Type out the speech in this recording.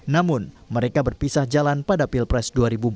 namun mereka berpisah jalan pada pilpres dua ribu dua puluh